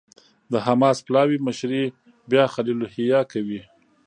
د حماس پلاوي مشري بیا خلیل الحية کوي.